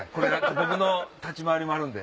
僕の立ち回りもあるんで。